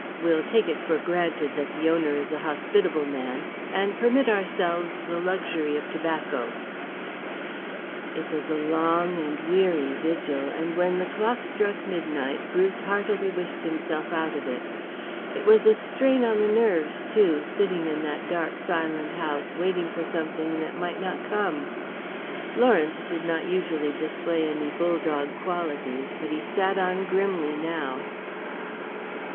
"We'll take it for granted that the owner is a hospitable man, and permit ourselves the luxury of tobacco." It was a long and weary vigil, and when the clock struck midnight Bruce heartily wished himself out of it. It was a strain on the nerves, too, sitting in that dark silent house waiting for something that might not come. Lawrence did not usually display any bulldog qualities, but he sat on grimly now.